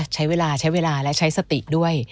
ใช้เวลาใช้เวลาและใช้สติด้วย